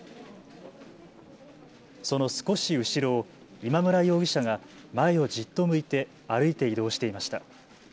その少し後ろを今村容疑者が前をじっと向いて歩いて移動していました。